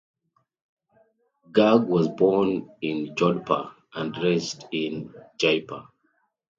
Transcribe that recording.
Garg was born in Jodhpur and raised in Jaipur.